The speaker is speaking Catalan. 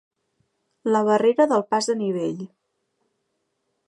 La barrera del pas a nivell.